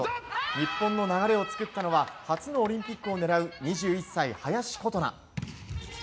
日本の流れを作ったのは初のオリンピックを狙う２１歳、林琴奈。